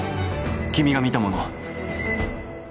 君が見たもの。